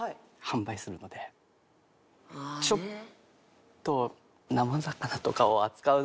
ちょっと。